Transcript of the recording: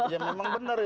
ya memang benar itu